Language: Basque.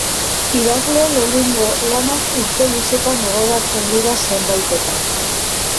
Idazleen lehenengo lanak urte luzetan gogoratzen dira zenbaitetan.